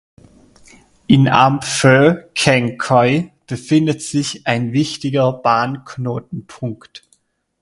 In Amphoe Kaeng Khoi befindet sich ein wichtiger Bahnknotenpunkt.